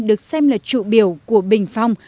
được xem là trụ biểu của bình phong